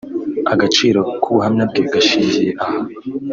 Agaciro k’ubuhamya bwe gashingiye aha